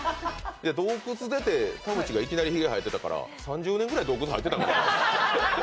洞窟出て田渕がいきなりひげ生えてたんで３０年ぐらい洞窟入ってたのかなと。